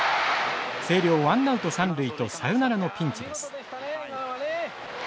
星稜ワンナウト三塁とサヨナラのピンチです。